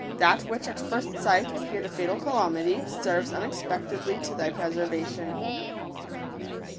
That which at first sight appeared a fatal calamity, serves unexpectedly to thy preser vation.